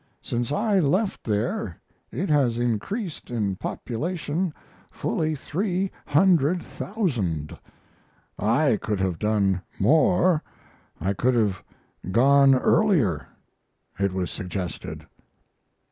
Since I left there it has increased in population fully 300,000. I could have done more I could have gone earlier it was suggested.